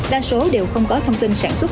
đa số đều không có thông tin sản xuất